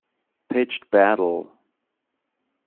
Pitched battle